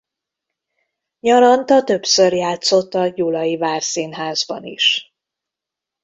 Nyaranta többször játszott a Gyulai Várszínházban is.